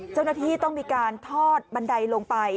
เจ้าหน้าที่ต้องมีการทอดบันไดลงไป